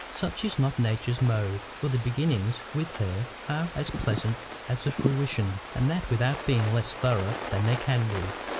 Such is not Nature's mode, for the beginnings with her are as pleasant as the fruition, and that without being less thorough than they can be.